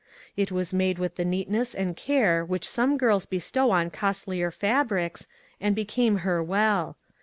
It was made with the neat ness and care which some girls bestow on costlier fabrics, and became her well.